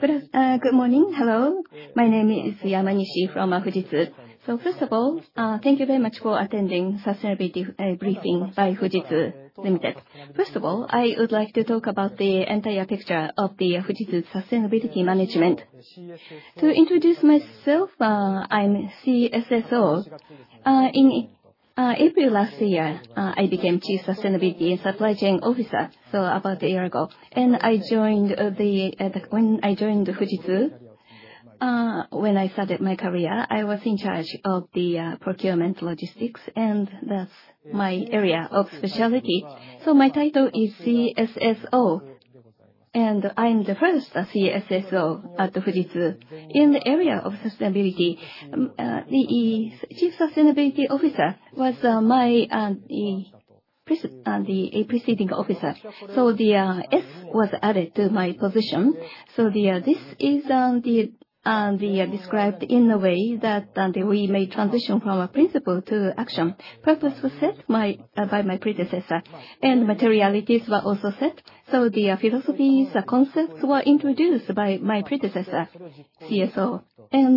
Good morning, hello. My name is Isobe from Fujitsu. First of all, thank you very much for attending the sustainability briefing by Fujitsu Limited. First of all, I would like to talk about the entire picture of the Fujitsu sustainability management. To introduce myself, I'm CSSO. In April last year, I became Chief Sustainability and Supply Chain Officer, so about a year ago. When I joined Fujitsu, when I started my career, I was in charge of the procurement logistics, and that's my area of specialty. My title is CSSO, and I'm the first CSSO at Fujitsu in the area of sustainability. The Chief Sustainability Officer was my preceding officer, so the S was added to my position. This is described in a way that we made transition from a principle to action. Purpose was set by my predecessor, and materialities were also set. The philosophies and concepts were introduced by my predecessor, CSO.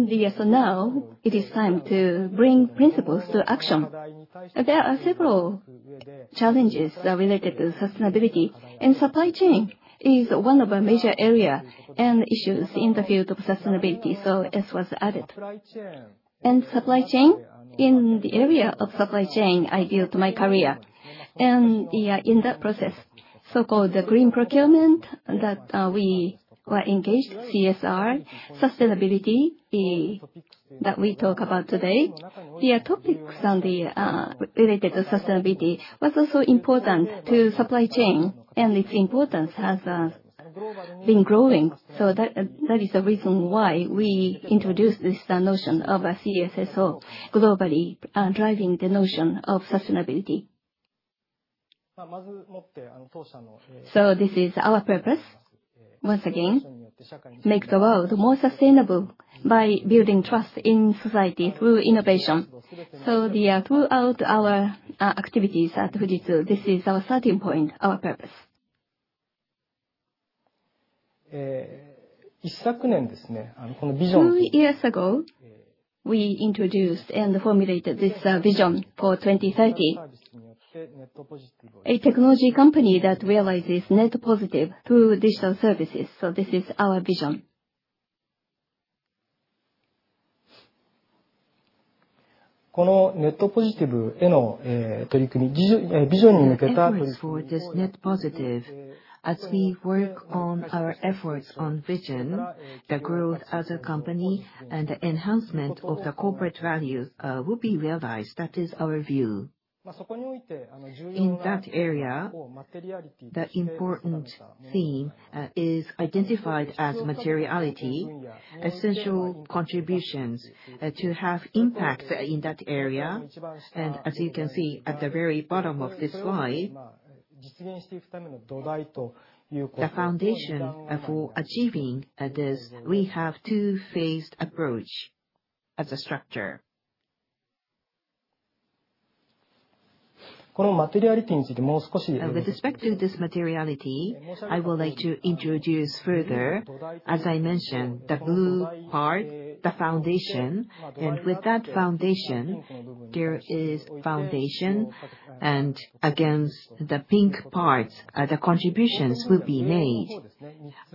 Yes, now it is time to bring principles to action. There are several challenges related to sustainability, and supply chain is one of the major areas and issues in the field of sustainability, so S was added. Supply chain, in the area of supply chain, I built my career. In that process, so-called the green procurement that we were engaged, CSR, sustainability that we talk about today, the topics related to sustainability were also important to supply chain, and its importance has been growing. That is the reason why we introduced this notion of CSSO globally, driving the notion of sustainability. This is our purpose, once again, to make the world more sustainable by building trust in society through innovation. Throughout our activities at Fujitsu, this is our starting point, our purpose. Two years ago, we introduced and formulated this vision for 2030, a technology company that realizes Net Positive through digital services. So this is our vision. このネットポジティブへの取り組み、ビジョンに向けた取り組み。For this net positive. As we work on our efforts on vision, the growth as a company and the enhancement of the corporate value will be realized. That is our view. In that area, the important theme is identified as materiality, essential contributions to have impact in that area. And as you can see at the very bottom of this slide, the foundation for achieving this, we have a two-phased approach as a structure. このマテリアリティについてもう少し。With respect to this materiality, I would like to introduce further, as I mentioned, the blue part, the foundation. And with that foundation, there is foundation, and against the pink parts, the contributions will be made.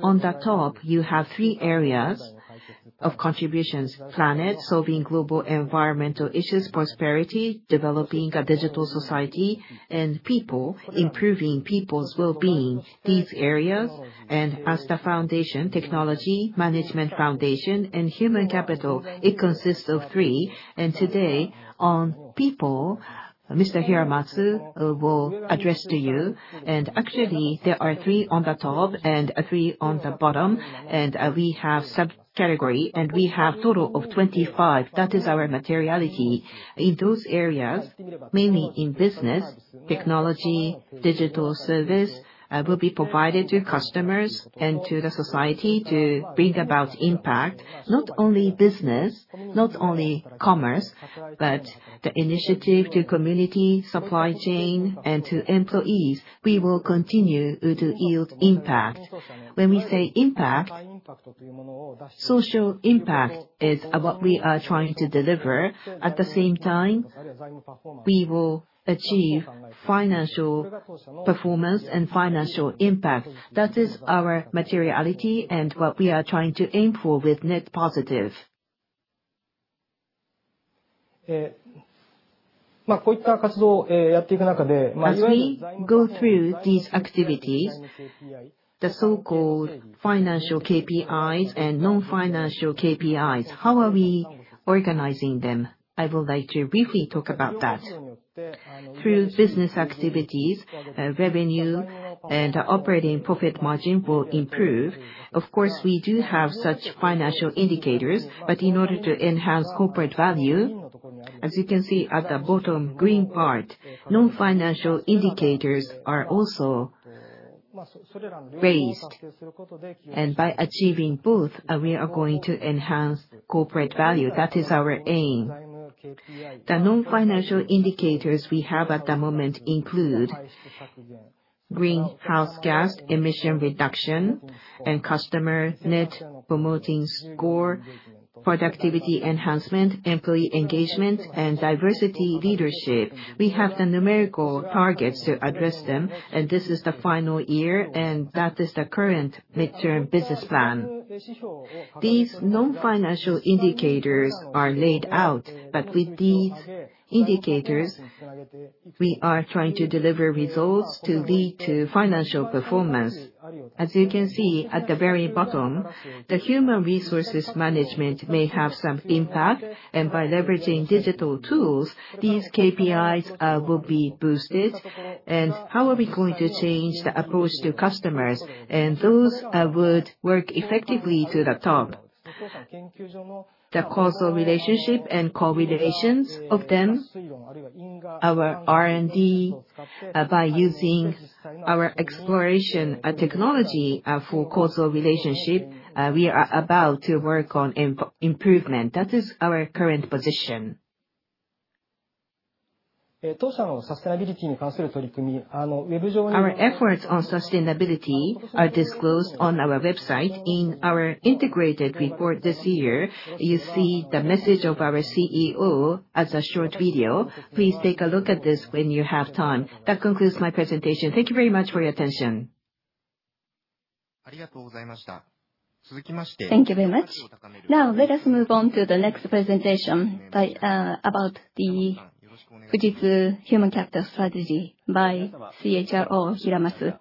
On the top, you have three areas of contributions: planet, solving global environmental issues; prosperity, developing a digital society; and people, improving people's well-being. These areas, and as the foundation, technology, management foundation, and human capital, it consists of three. And today, on people, Mr. Hiramatsu will address to you. And actually, there are three on the top and three on the bottom, and we have subcategories, and we have a total of 25. That is our materiality. In those areas, mainly in business, technology, digital service, will be provided to customers and to the society to bring about impact. Not only business, not only commerce, but the initiative to community, supply chain, and to employees, we will continue to yield impact. When we say impact, social impact is what we are trying to deliver. At the same time, we will achieve financial performance and financial impact. That is our Materiality and what we are trying to aim for with Net Positive. こういった活動をやっていく中で、As we go through these activities, the so-called financial KPIs and non-financial KPIs, how are we organizing them? I would like to briefly talk about that. Through business activities, revenue and operating profit margin will improve. Of course, we do have such financial indicators, but in order to enhance corporate value, as you can see at the bottom green part, non-financial indicators are also raised, and by achieving both, we are going to enhance corporate value. That is our aim. The non-financial indicators we have at the moment include greenhouse gas emission reduction and customer Net Promoter Score, productivity enhancement, employee engagement, and diversity leadership. We have the numerical targets to address them, and this is the final year, and that is the current medium-term business plan. These non-financial indicators are laid out, but with these indicators, we are trying to deliver results to lead to financial performance. As you can see at the very bottom, the human resources management may have some impact, and by leveraging digital tools, these KPIs will be boosted, and how are we going to change the approach to customers, and those would work effectively to the top. The causal relationship and correlations of them. Our R&D, by using our exploration technology for causal relationship, we are about to work on improvement. That is our current position. 当社のサステナビリティに関する取り組み、ウェブ上に。Our efforts on sustainability are disclosed on our website. In our integrated report this year, you see the message of our CEO as a short video. Please take a look at this when you have time. That concludes my presentation. Thank you very much for your attention. ありがとうございました。続きまして。Thank you very much. Now, let us move on to the next presentation about the Fujitsu Human Capital Strategy by CHRO Hiramatsu.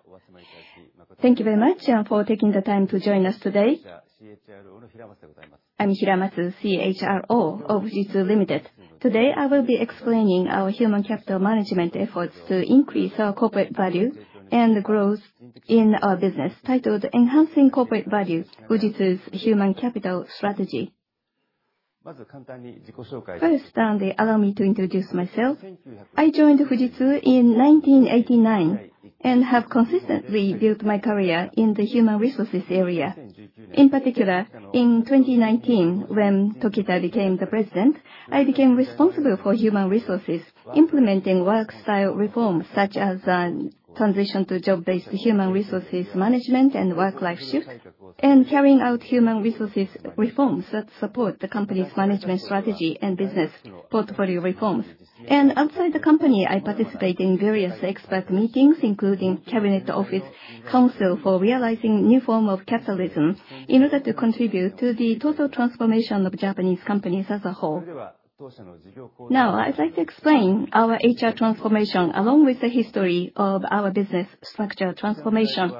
Thank you very much for taking the time to join us today. I'm Hiramatsu, CHRO of Fujitsu Limited. Today, I will be explaining our human capital management efforts to increase our corporate value and growth in our business, titled Enhancing Corporate Value: Fujitsu's Human Capital Strategy. First, allow me to introduce myself. I joined Fujitsu in 1989 and have consistently built my career in the human resources area. In particular, in 2019, when Tokita became the president, I became responsible for human resources, implementing work-style reforms such as a transition to job-based human resources management and work-life shift, and carrying out human resources reforms that support the company's management strategy and business portfolio reforms. Outside the company, I participate in various expert meetings, including the Cabinet Office Council for Realizing New Forms of Capitalism, in order to contribute to the total transformation of Japanese companies as a whole. Now, I'd like to explain our HR transformation along with the history of our business structure transformation.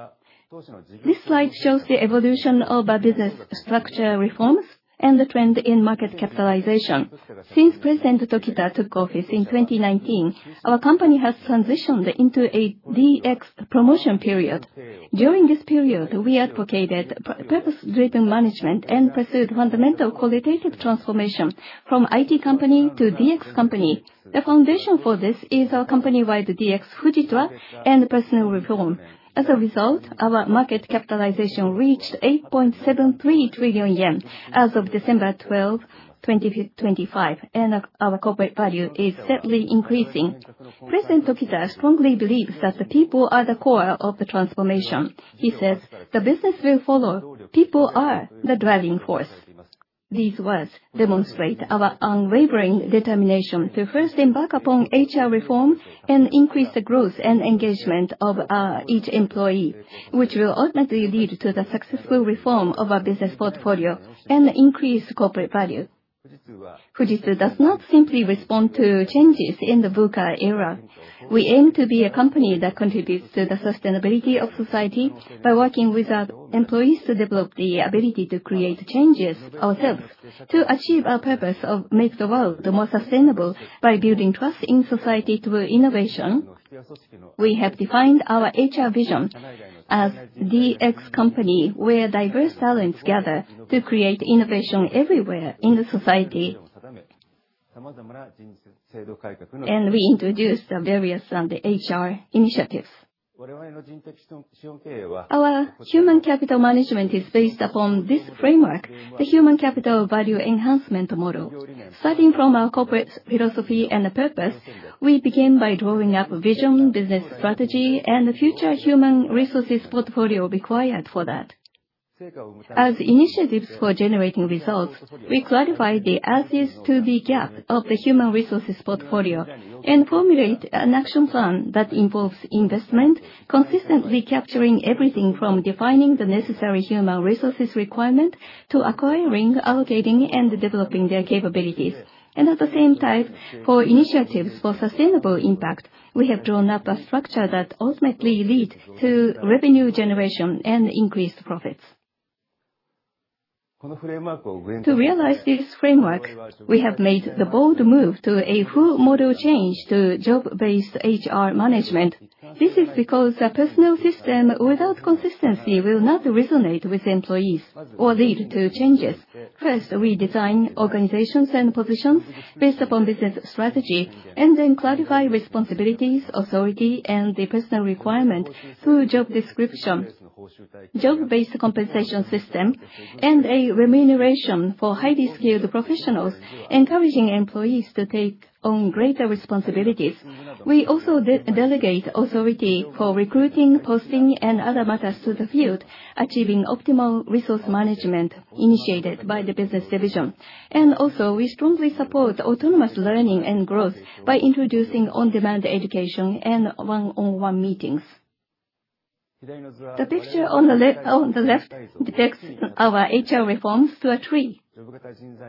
This slide shows the evolution of our business structure reforms and the trend in market capitalization. Since President Tokita took office in 2019, our company has transitioned into a DX promotion period. During this period, we advocated purpose-driven management and pursued fundamental qualitative transformation from IT company to DX company. The foundation for this is our company-wide DX Fujitra and personnel reform. As a result, our market capitalization reached 8.73 trillion yen as of December 12, 2025, and our corporate value is steadily increasing. President Tokita strongly believes that the people are the core of the transformation. He says, "The business will follow. People are the driving force." These words demonstrate our unwavering determination to first embark upon HR reform and increase the growth and engagement of each employee, which will ultimately lead to the successful reform of our business portfolio and increase corporate value. Fujitsu does not simply respond to changes in the VUCA era. We aim to be a company that contributes to the sustainability of society by working with our employees to develop the ability to create changes ourselves, to achieve our purpose of making the world more sustainable by building trust in society through innovation. We have defined our HR vision as a DX company where diverse talents gather to create innovation everywhere in society, and we introduce the various HR initiatives. Our human capital management is based upon this framework, the Human Capital Value Enhancement Model. Starting from our corporate philosophy and purpose, we begin by drawing up a vision, business strategy, and the future human resources portfolio required for that. As initiatives for generating results, we clarify the as-is-to-be gap of the human resources portfolio and formulate an action plan that involves investment, consistently capturing everything from defining the necessary human resources requirement to acquiring, allocating, and developing their capabilities, and at the same time, for initiatives for sustainable impact, we have drawn up a structure that ultimately leads to revenue generation and increased profits. To realize this framework, we have made the bold move to a full model change to job-based HR management. This is because a personal system without consistency will not resonate with employees or lead to changes. First, we design organizations and positions based upon business strategy, and then clarify responsibilities, authority, and the personnel requirement through job description, job-based compensation system, and a remuneration for highly skilled professionals, encouraging employees to take on greater responsibilities. We also delegate authority for recruiting, posting, and other matters to the field, achieving optimal resource management initiated by the business division. We also strongly support autonomous learning and growth by introducing on-demand education and one-on-one meetings. The picture on the left depicts our HR reforms as a tree.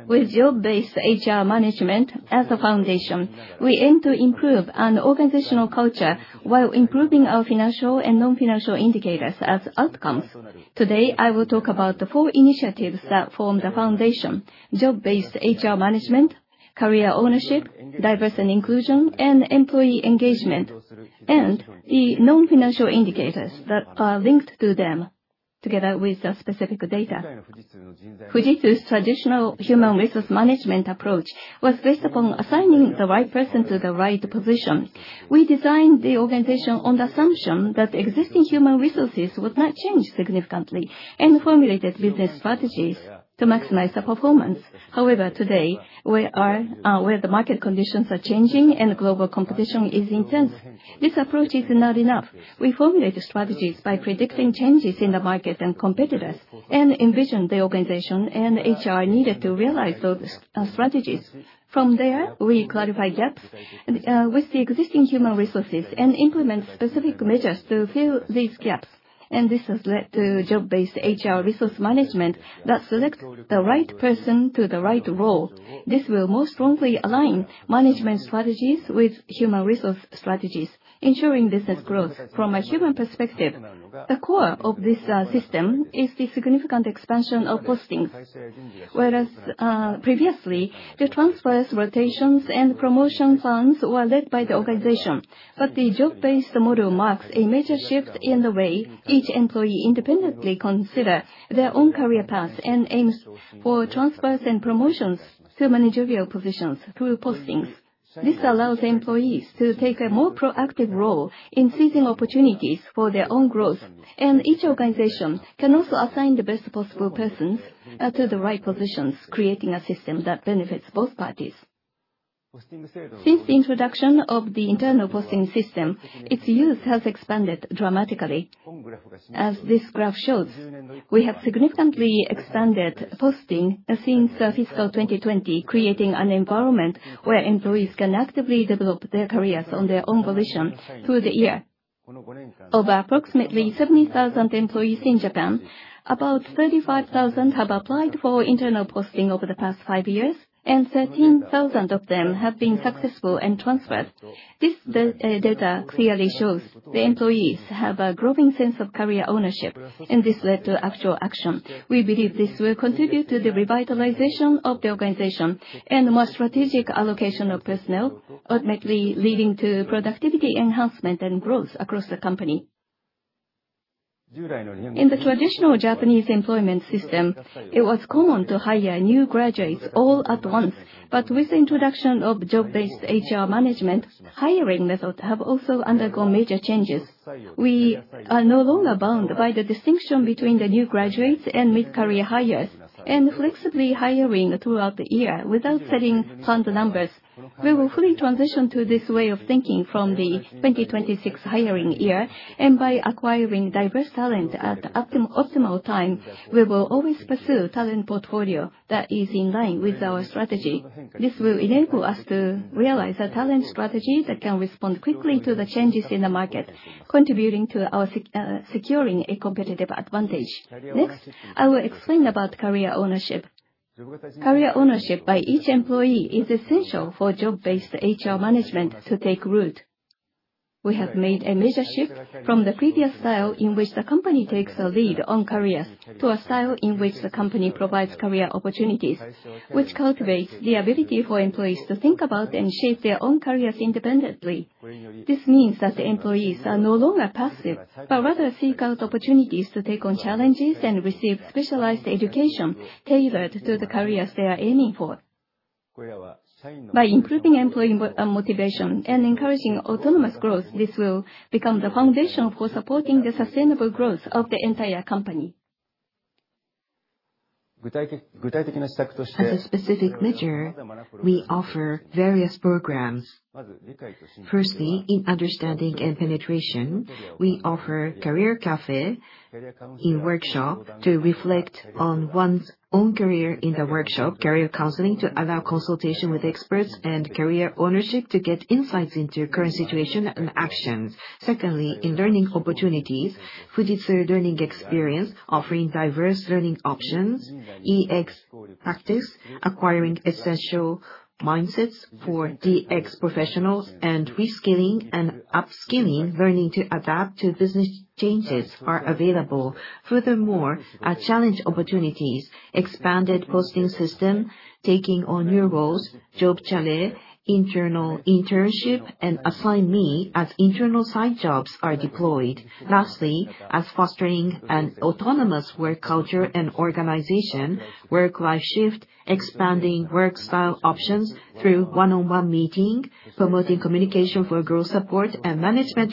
With job-based HR management as a foundation, we aim to improve an organizational culture while improving our financial and non-financial indicators as outcomes. Today, I will talk about the four initiatives that form the foundation: job-based HR management, career ownership, diversity and inclusion, and employee engagement, and the non-financial indicators that are linked to them together with specific data. Fujitsu's traditional human resource management approach was based upon assigning the right person to the right position. We designed the organization on the assumption that existing human resources would not change significantly and formulated business strategies to maximize the performance. However, today, where the market conditions are changing and global competition is intense, this approach is not enough. We formulate strategies by predicting changes in the market and competitors and envision the organization and HR needed to realize those strategies. From there, we clarify gaps with the existing human resources and implement specific measures to fill these gaps, and this has led to job-based HR resource management that selects the right person to the right role. This will more strongly align management strategies with human resource strategies, ensuring business growth from a human perspective. The core of this system is the significant expansion of postings. Whereas previously, the transfers, rotations, and promotion funds were led by the organization, but the job-based model marks a major shift in the way each employee independently considers their own career path and aims for transfers and promotions to managerial positions through postings. This allows employees to take a more proactive role in seizing opportunities for their own growth, and each organization can also assign the best possible persons to the right positions, creating a system that benefits both parties. Since the introduction of the internal posting system, its use has expanded dramatically. As this graph shows, we have significantly expanded posting since fiscal 2020, creating an environment where employees can actively develop their careers on their own volition through the year. Of approximately 70,000 employees in Japan, about 35,000 have applied for internal posting over the past five years, and 13,000 of them have been successful and transferred. This data clearly shows the employees have a growing sense of career ownership, and this led to actual action. We believe this will contribute to the revitalization of the organization and more strategic allocation of personnel, ultimately leading to productivity enhancement and growth across the company. In the traditional Japanese employment system, it was common to hire new graduates all at once, but with the introduction of job-based HR management, hiring methods have also undergone major changes. We are no longer bound by the distinction between the new graduates and mid-career hires, and flexibly hiring throughout the year without setting fixed numbers. We will fully transition to this way of thinking from the 2026 hiring year, and by acquiring diverse talent at optimal time, we will always pursue a talent portfolio that is in line with our strategy. This will enable us to realize a talent strategy that can respond quickly to the changes in the market, contributing to our securing a competitive advantage. Next, I will explain about career ownership. Career ownership by each employee is essential for job-based HR management to take root. We have made a major shift from the previous style in which the company takes a lead on careers to a style in which the company provides career opportunities, which cultivates the ability for employees to think about and shape their own careers independently. This means that the employees are no longer passive, but rather seek out opportunities to take on challenges and receive specialized education tailored to the careers they are aiming for. By improving employee motivation and encouraging autonomous growth, this will become the foundation for supporting the sustainable growth of the entire company. As a specific measure, we offer various programs. Firstly, in understanding and penetration, we offer Career Café in workshop to reflect on one's own career in the workshop, career counseling to allow consultation with experts and Career Ownership to get insights into current situation and actions. Secondly, in learning opportunities, Fujitsu Learning Experience offers diverse learning options, EX practice, acquiring essential mindsets for DX professionals, and reskilling and upskilling, learning to adapt to business changes are available. Furthermore, our challenge opportunities, expanded posting system, taking on new roles, job challenge, internal internship, and Assign Me as internal side jobs are deployed. Lastly, as fostering an autonomous work culture and organization, Work-Life Shift, expanding work-style options through one-on-one meeting, promoting communication for growth support and management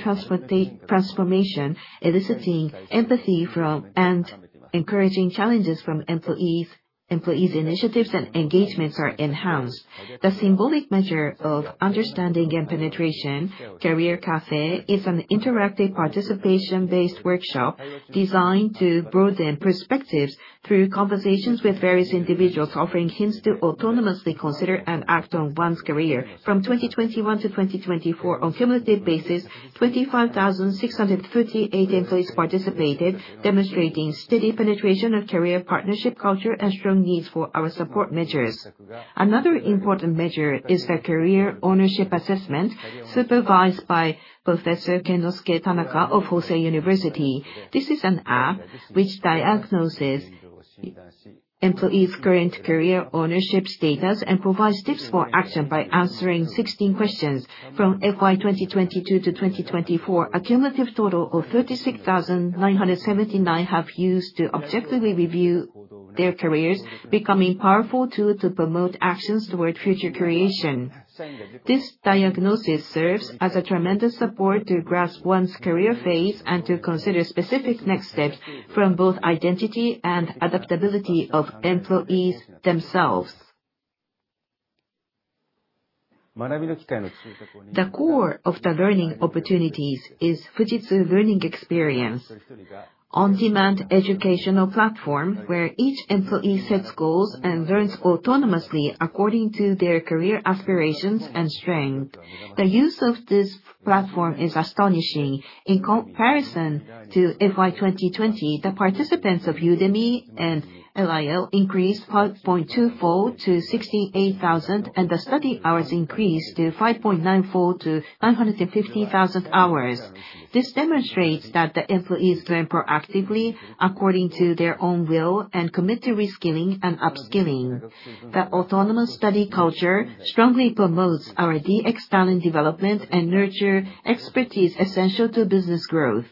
transformation, eliciting empathy from and encouraging challenges from employees, employees' initiatives and engagements are enhanced. The symbolic measure of understanding and penetration, Career Café, is an interactive participation-based workshop designed to broaden perspectives through conversations with various individuals, offering hints to autonomously consider and act on one's career. From 2021 to 2024, on a cumulative basis, 25,638 employees participated, demonstrating steady penetration of career partnership culture and strong needs for our support measures. Another important measure is the Career Ownership Assessment, supervised by Professor Kenosuke Tanaka of Hosei University. This is an app which diagnoses employees' current career ownership status and provides tips for action by answering 16 questions from FY 2022 to 2024, a cumulative total of 36,979 have used to objectively review their careers, becoming a powerful tool to promote actions toward future creation. This diagnosis serves as a tremendous support to grasp one's career phase and to consider specific next steps from both identity and adaptability of employees themselves. The core of the learning opportunities is Fujitsu Learning Experience, an on-demand educational platform where each employee sets goals and learns autonomously according to their career aspirations and strengths. The use of this platform is astonishing. In comparison to FY 2020, the participants of Udemy and LIL increased 5.24 to 68,000, and the study hours increased to 5.94 to 950,000 hours. This demonstrates that the employees learn proactively according to their own will and commit to reskilling and upskilling. The autonomous study culture strongly promotes our DX talent development and nurtures expertise essential to business growth.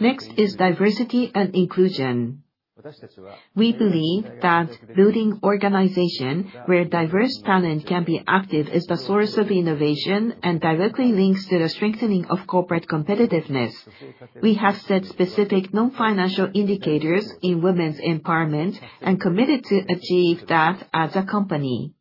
Next is diversity and inclusion. We believe that building an organization where diverse talent can be active is the source of innovation and directly links to the strengthening of corporate competitiveness. We have set specific non-financial indicators in women's empowerment and are committed to achieving that as a company.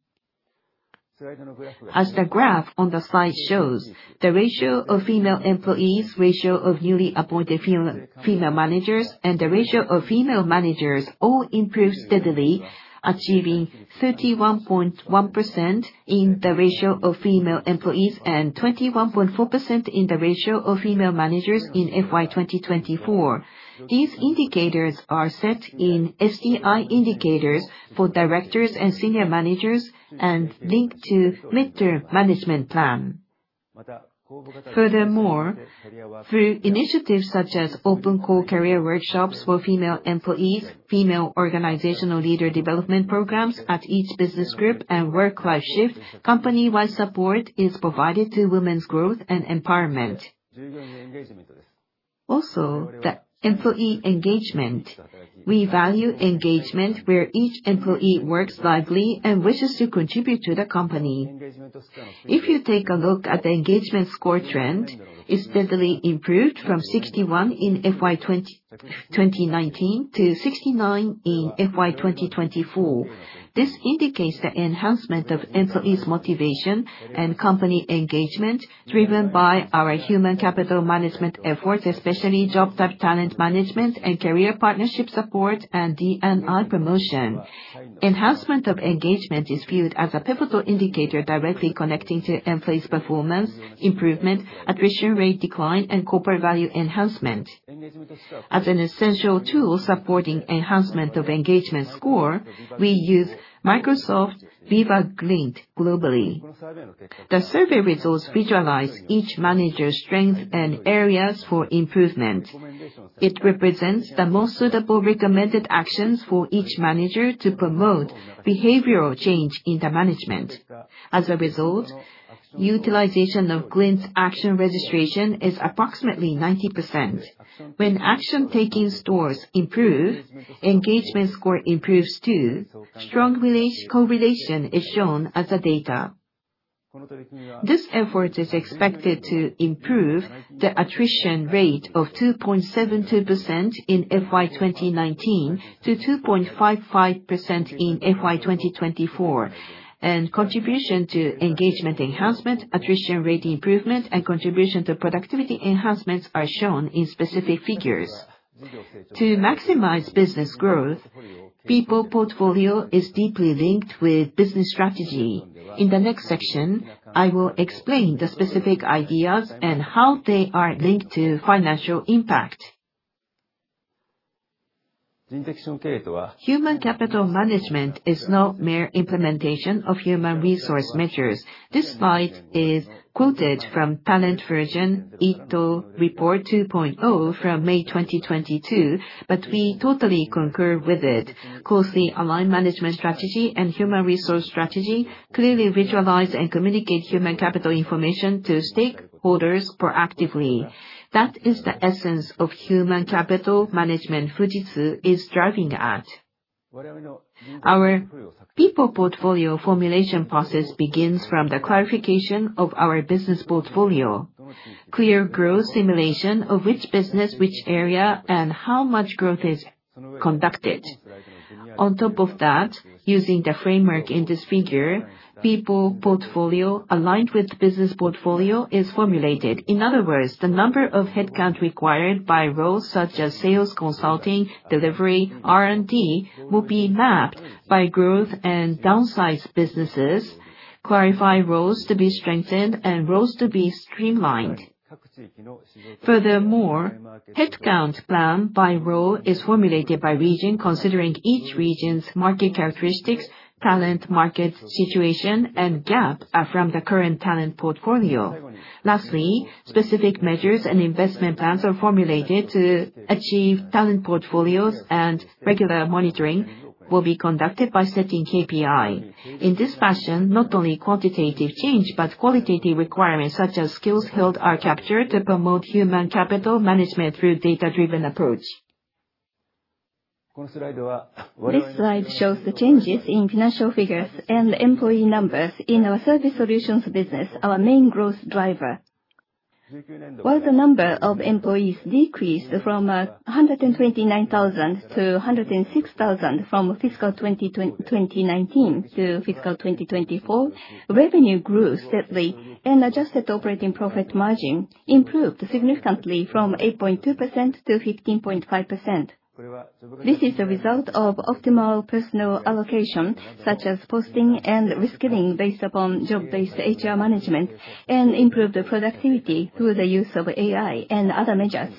As the graph on the slide shows, the ratio of female employees, the ratio of newly appointed female managers, and the ratio of female managers all improved steadily, achieving 31.1% in the ratio of female employees and 21.4% in the ratio of female managers in FY 2024. These indicators are set in STI indicators for directors and senior managers and linked to midterm management plan. Furthermore, through initiatives such as open-call career workshops for female employees, female organizational leader development programs at each business group, and Work-Life Shift, company-wide support is provided to women's growth and empowerment. Also, the employee engagement. We value engagement where each employee works lively and wishes to contribute to the company. If you take a look at the engagement score trend, it steadily improved from 61 in FY 2019 to 69 in FY 2024. This indicates the enhancement of employees' motivation and company engagement driven by our human capital management efforts, especially job-type talent management and career partnership support and D&I promotion. Enhancement of engagement is viewed as a pivotal indicator directly connecting to employees' performance improvement, attrition rate decline, and corporate value enhancement. As an essential tool supporting enhancement of engagement score, we use Microsoft Viva Glint globally. The survey results visualize each manager's strengths and areas for improvement. It represents the most suitable recommended actions for each manager to promote behavioral change in the management. As a result, utilization of Glint's action registration is approximately 90%. When action-taking scores improve, engagement score improves too. Strong correlation is shown as the data. This effort is expected to improve the attrition rate of 2.72% in FY 2019 to 2.55% in FY 2024, and contribution to engagement enhancement, attrition rate improvement, and contribution to productivity enhancements are shown in specific figures. To maximize business growth, people portfolio is deeply linked with business strategy. In the next section, I will explain the specific ideas and how they are linked to financial impact. Human capital management is not mere implementation of human resource measures. This slide is quoted from Talent Version Ito Report 2.0 from May 2022, but we totally concur with it. Closely aligned management strategy and human resource strategy clearly visualize and communicate human capital information to stakeholders proactively. That is the essence of human capital management Fujitsu is driving at. Our people portfolio formulation process begins from the clarification of our business portfolio, clear growth simulation of which business, which area, and how much growth is conducted. On top of that, using the framework in this figure, people portfolio aligned with business portfolio is formulated. In other words, the number of headcount required by roles such as sales, consulting, delivery, R&D will be mapped by growth and downsize businesses, clarify roles to be strengthened, and roles to be streamlined. Furthermore, headcount plan by role is formulated by region, considering each region's market characteristics, talent market situation, and gap from the current talent portfolio. Lastly, specific measures and investment plans are formulated to achieve talent portfolios, and regular monitoring will be conducted by setting KPI. In this fashion, not only quantitative change, but qualitative requirements such as skills held are captured to promote human capital management through a data-driven approach. This slide shows the changes in financial figures and employee numbers in our Service Solutions business, our main growth driver. While the number of employees decreased from 129,000 to 106,000 from fiscal 2019 to fiscal 2024, revenue grew steadily, and adjusted operating profit margin improved significantly from 8.2%-15.5%. This is the result of optimal personal allocation, such as posting and reskilling based upon job-based HR management, and improved productivity through the use of AI and other measures.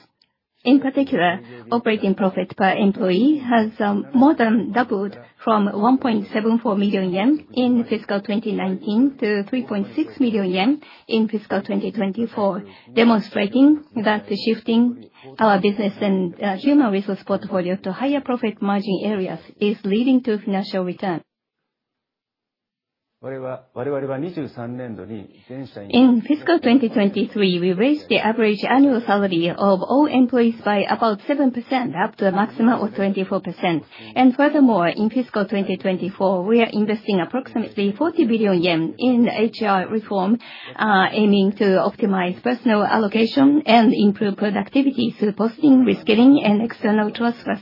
In particular, operating profit per employee has more than doubled from 1.74 million yen in fiscal 2019 to 3.6 million yen in fiscal 2024, demonstrating that shifting our business and human resource portfolio to higher profit margin areas is leading to financial return. In fiscal 2023, we raised the average annual salary of all employees by about 7%, up to a maximum of 24%. Furthermore, in fiscal 2024, we are investing approximately 40 billion yen in HR reform, aiming to optimize personal allocation and improve productivity through posting, reskilling, and external transfers.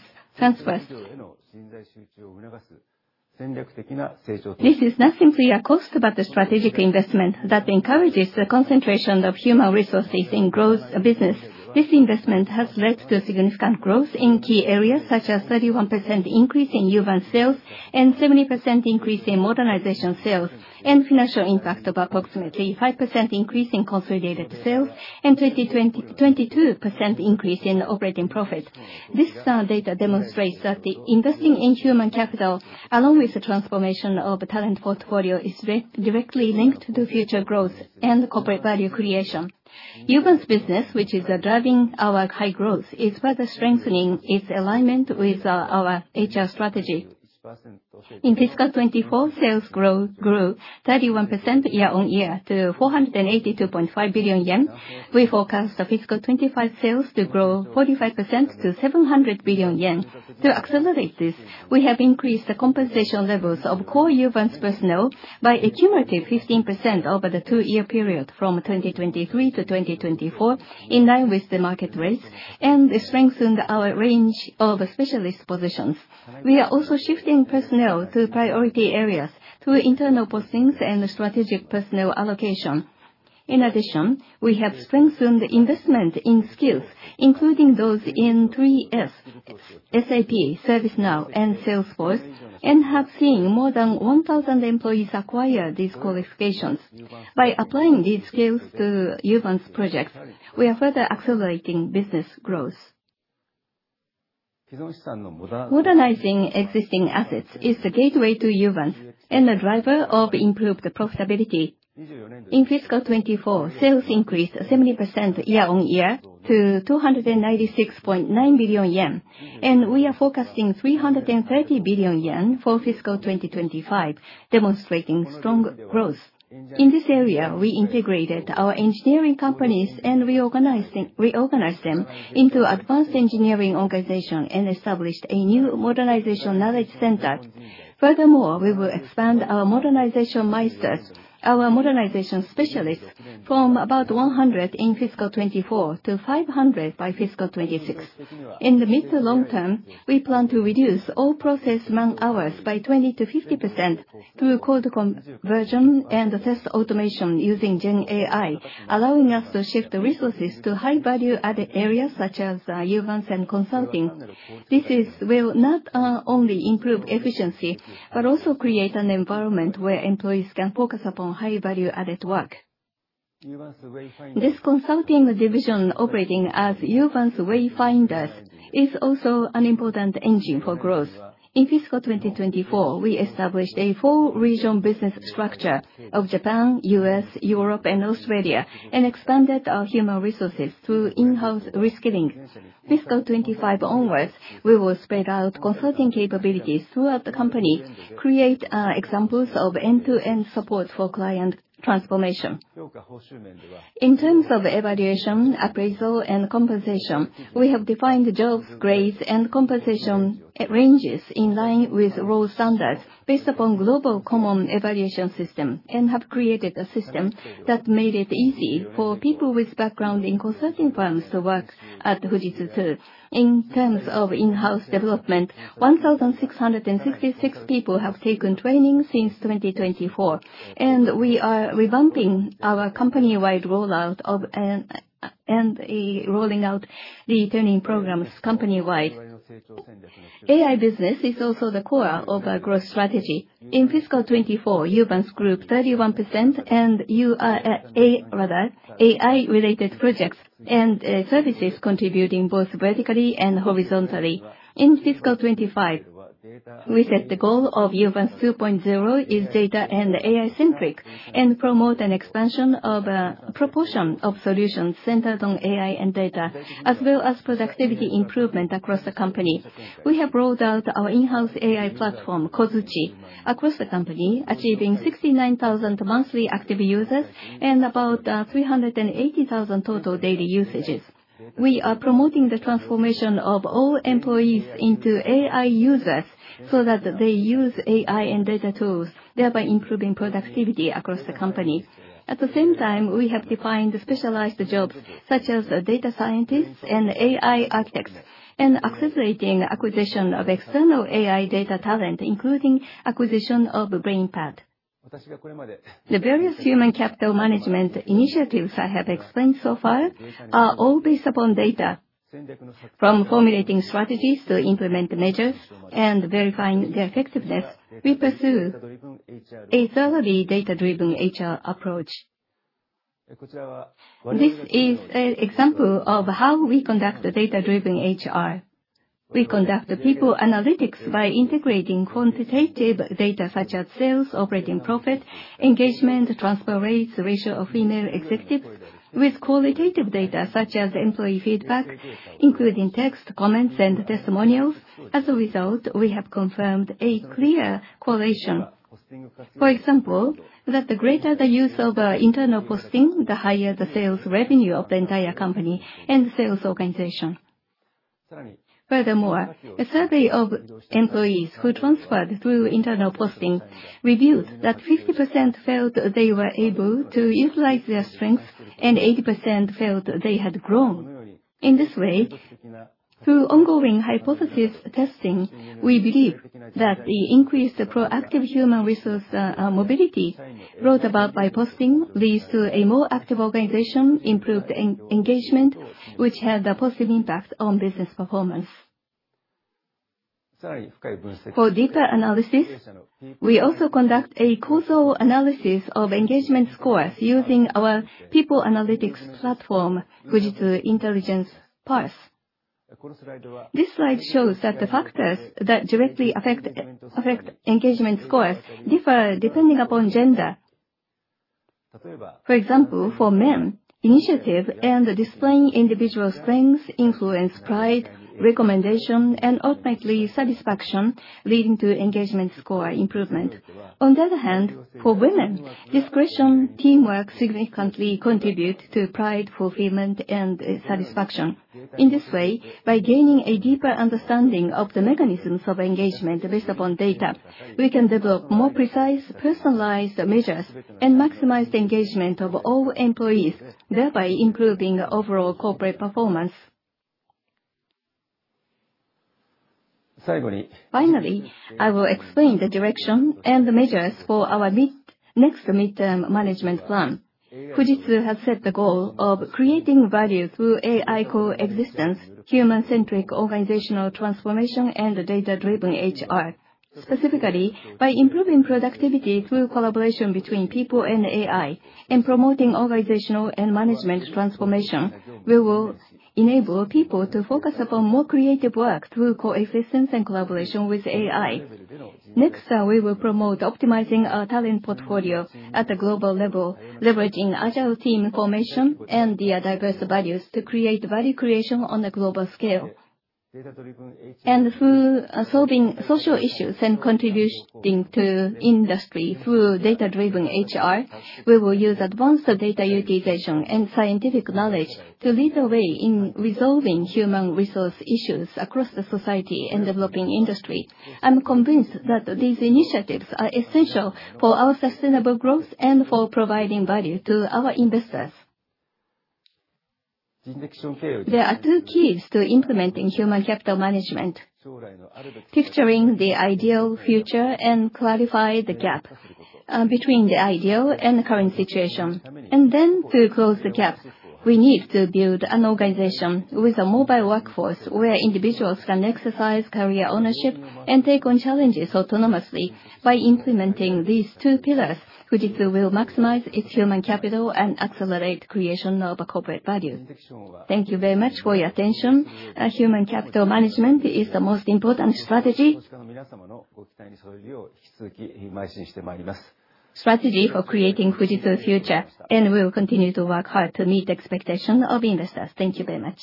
This is not simply a cost, but a strategic investment that encourages the concentration of human resources in growth business. This investment has led to significant growth in key areas, such as a 31% increase in Uvance sales and a 70% increase in modernization sales, and a financial impact of approximately a 5% increase in consolidated sales and a 22% increase in operating profit. This data demonstrates that investing in human capital, along with the transformation of the talent portfolio, is directly linked to future growth and corporate value creation. Uvance business, which is driving our high growth, is further strengthening its alignment with our HR strategy. In fiscal 2024, sales grew 31% year on year to 482.5 billion yen. We forecast the fiscal 2025 sales to grow 45% to 700 billion yen. To accelerate this, we have increased the compensation levels of core human personnel by a cumulative 15% over the two-year period from 2023 to 2024, in line with the market rates, and strengthened our range of specialist positions. We are also shifting personnel to priority areas through internal postings and strategic personnel allocation. In addition, we have strengthened investment in skills, including those in 3S, SAP, ServiceNow, and Salesforce, and have seen more than 1,000 employees acquire these qualifications. By applying these skills to Uvance projects, we are further accelerating business growth. Modernizing existing assets is the gateway to Uvance and a driver of improved profitability. In fiscal 2024, sales increased 70% year on year to 296.9 billion yen, and we are forecasting 330 billion yen for fiscal 2025, demonstrating strong growth. In this area, we integrated our engineering companies and reorganized them into advanced engineering organizations and established a new Modernization Knowledge Center. Furthermore, we will expand our Modernization Masters, our modernization specialists, from about 100 in fiscal 2024 to 500 by fiscal 2026. In the mid to long term, we plan to reduce all process man hours by 20%-50% through code conversion and test automation using GenAI, allowing us to shift resources to high-value-added areas such as human and consulting. This will not only improve efficiency, but also create an environment where employees can focus upon high-value-added work. This consulting division, operating as Uvance Wayfinders, is also an important engine for growth. In fiscal 2024, we established a four-region business structure of Japan, U.S., Europe, and Australia, and expanded our human resources through in-house reskilling. Fiscal 2025 onwards, we will spread out consulting capabilities throughout the company, create examples of end-to-end support for client transformation. In terms of evaluation, appraisal, and compensation, we have defined jobs, grades, and compensation ranges in line with role standards based upon the global common evaluation system and have created a system that made it easy for people with background in consulting firms to work at Fujitsu too. In terms of in-house development, 1,666 people have taken training since 2024, and we are revamping our company-wide rollout and rolling out the training programs company-wide. AI business is also the core of our growth strategy. In fiscal 2024, Uvance 31% and AI-related projects and services contributing both vertically and horizontally. In fiscal 2025, we set the goal of Uvance 2.0 is data and AI-centric and promote an expansion of a proportion of solutions centered on AI and data, as well as productivity improvement across the company. We have rolled out our in-house AI platform, Kozuchi, across the company, achieving 69,000 monthly active users and about 380,000 total daily usages. We are promoting the transformation of all employees into AI users so that they use AI and data tools, thereby improving productivity across the company. At the same time, we have defined specialized jobs such as data scientists and AI architects and accelerating acquisition of external AI data talent, including acquisition of BrainPad. The various human capital management initiatives I have explained so far are all based upon data. From formulating strategies to implement measures and verifying their effectiveness, we pursue a thoroughly data-driven HR approach. This is an example of how we conduct data-driven HR. We conduct people analytics by integrating quantitative data such as sales, operating profit, engagement, transfer rates, ratio of female executives, with qualitative data such as employee feedback, including text, comments, and testimonials. As a result, we have confirmed a clear correlation. For example, that the greater the use of internal posting, the higher the sales revenue of the entire company and sales organization. Furthermore, a survey of employees who transferred through internal posting revealed that 50% felt they were able to utilize their strengths and 80% felt they had grown. In this way, through ongoing hypothesis testing, we believe that the increased proactive human resource mobility brought about by posting leads to a more active organization, improved engagement, which has a positive impact on business performance. For deeper analysis, we also conduct a causal analysis of engagement scores using our people analytics platform, Fujitsu Intelligence PaaS. This slide shows that the factors that directly affect engagement scores differ depending upon gender. For example, for men, initiative and displaying individual strengths influence pride, recommendation, and ultimately satisfaction, leading to engagement score improvement. On the other hand, for women, discretion teamwork significantly contributes to pride, fulfillment, and satisfaction. In this way, by gaining a deeper understanding of the mechanisms of engagement based upon data, we can develop more precise, personalized measures and maximize the engagement of all employees, thereby improving overall corporate performance. Finally, I will explain the direction and the measures for our next midterm management plan. Fujitsu has set the goal of creating value through AI coexistence, human-centric organizational transformation, and data-driven HR. Specifically, by improving productivity through collaboration between people and AI and promoting organizational and management transformation, we will enable people to focus upon more creative work through coexistence and collaboration with AI. Next, we will promote optimizing our talent portfolio at the global level, leveraging agile team formation and their diverse values to create value creation on a global scale. And through solving social issues and contributing to industry through data-driven HR, we will use advanced data utilization and scientific knowledge to lead the way in resolving human resource issues across the society and developing industry. I'm convinced that these initiatives are essential for our sustainable growth and for providing value to our investors. There are two keys to implementing human capital management: picturing the ideal future and clarifying the gap between the ideal and the current situation. And then, to close the gap, we need to build an organization with a mobile workforce where individuals can exercise career ownership and take on challenges autonomously. By implementing these two pillars, Fujitsu will maximize its human capital and accelerate the creation of corporate value. Thank you very much for your attention. Human capital management is the most important strategy. Strategy for creating Fujitsu's future, and we will continue to work hard to meet the expectation of investors. Thank you very much.